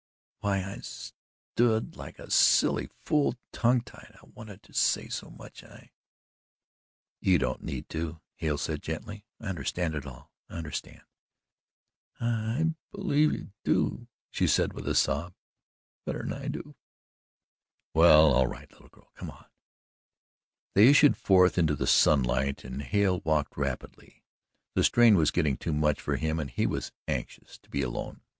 "Why, I stood like a silly fool, tongue tied, and I wanted to say so much. I " "You don't need to," Hale said gently, "I understand it all. I understand." "I believe you do," she said with a sob, "better than I do." "Well, it's all right, little girl. Come on." They issued forth into the sunlight and Hale walked rapidly. The strain was getting too much for him and he was anxious to be alone.